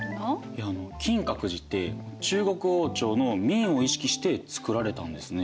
いや金閣寺って中国王朝の明を意識して造られたんですね。